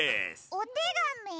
おてがみ？